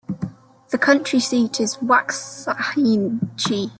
The county seat is Waxahachie.